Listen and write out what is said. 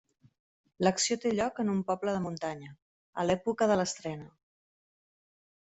L'acció té lloc en un poble de muntanya, a l'època de l'estrena.